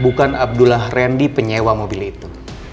bukan abdullah randy penyewa mobil itu